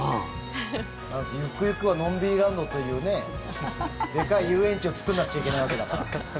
ゆくゆくはのんびりーランドというでかい遊園地を作んなくちゃいけないわけだから。